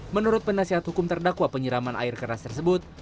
menurut penasihat hukum terdakwa penyiraman air keras tersebut